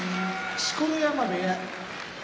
錣山部屋